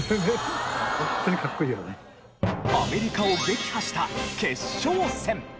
アメリカを撃破した決勝戦。